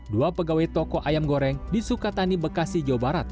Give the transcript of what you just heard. dua pegawai toko ayam goreng di sukatani bekasi jawa barat